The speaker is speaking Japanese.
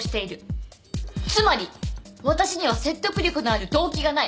つまり私には説得力のある動機がない。